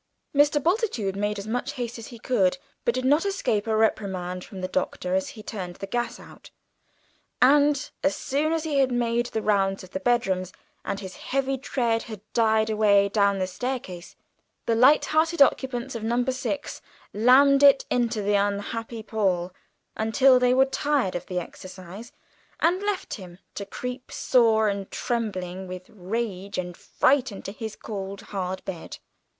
Mr. Bultitude made as much haste as he could, but did not escape a reprimand from the Doctor as he turned the gas out; and as soon as he had made the round of the bedrooms and his heavy tread had died away down the staircase, the light hearted occupants of No. 6 "lammed" it into the unhappy Paul until they were tired of the exercise and left him to creep sore and trembling with rage and fright into his cold hard bed.